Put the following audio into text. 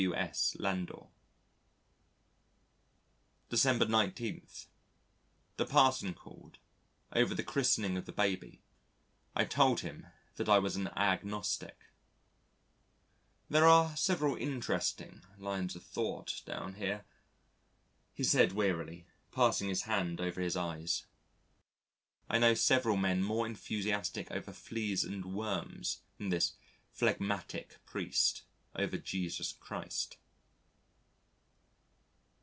W.S. Landor. December 19. The Parson called, over the christening of the baby. I told him I was an agnostic. "There are several interesting lines of thought down here," he said wearily, passing his hand over his eyes. I know several men more enthusiastic over Fleas and Worms than this phlegmatic priest, over Jesus Christ.